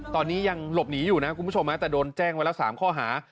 ตอนนี้ยังหลบหนีอยู่นะคุณผู้ชมแต่โดนแจ้งไว้ละ๓ข้อหา